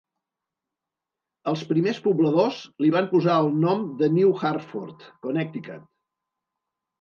Els primers pobladors li van posar el nom de New Hartford, Connecticut.